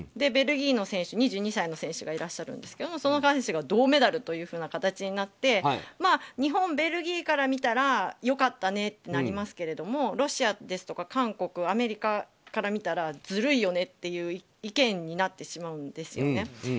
ベルギーの選手、２２歳の選手がいらっしゃるんですけどその方は銅メダルという形になって日本、ベルギーから見たら良かったねってなりますけどロシアですとか韓国、アメリカから見たらずるいよねという意見になってしまうんですよね。